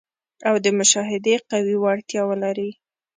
او د مشاهدې قوي وړتیا ولري.